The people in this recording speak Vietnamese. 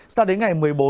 sao đến ngày một mươi bốn